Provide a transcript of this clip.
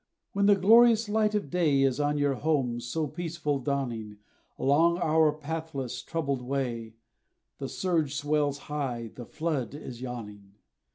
When the glorious light of day Is on your homes so peaceful dawning, Along our pathless, troubled way The surge swells high, the flood is yawning.